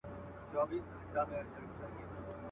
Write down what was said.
شمع كوچ سوه د محفل له ماښامونو.